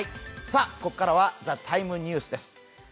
ここからは「ＴＨＥＴＩＭＥ，ニュース」です。